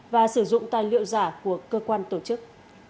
và sử dụng tài liệu giả của cơ quan tổ chức